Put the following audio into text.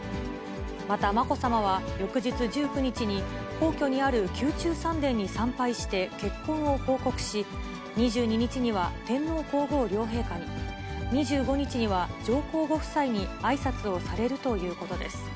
また、まこさまは翌日１９日に、皇居にある宮中三殿に参拝して結婚を報告し、２２日には天皇皇后両陛下に、２５日には上皇ご夫妻にあいさつをされるということです。